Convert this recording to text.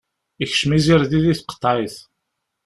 Ikcem izirdi di tqeḍɛit.